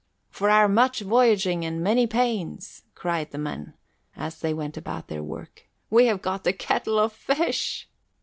"For our much voyaging and many pains," cried the men, as they went about their work, "we have got a kettle of fish."